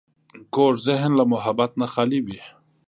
کوږ ذهن له محبت نه خالي وي